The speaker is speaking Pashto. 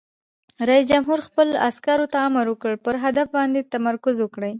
رئیس جمهور خپلو عسکرو ته امر وکړ؛ پر هدف باندې تمرکز وکړئ!